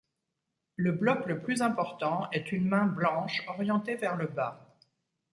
Le bloc le plus important est une main blanche orientée vers le bas.